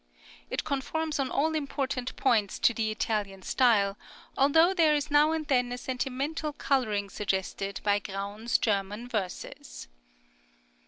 It conforms on all important points to the Italian style, although there is now and then a sentimental colouring suggested by Graun's German verses.